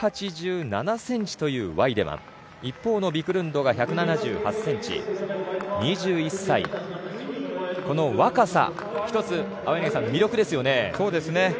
１８７ｃｍというワイデマン一方のビクルンドが１７８ｃｍ２１歳、この若さ一つ、魅力ですよね。